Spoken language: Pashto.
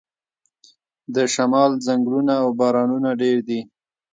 د شمال ځنګلونه او بارانونه ډیر دي.